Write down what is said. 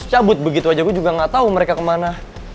cabut begitu aja gue juga gak tahu mereka kemana